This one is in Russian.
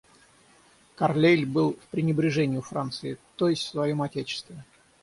Карлейль был в пренебрежении у Франции, то есть в своем отечестве.